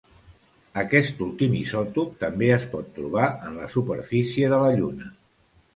Aquest últim isòtop també es pot trobar en la superfície de la Lluna.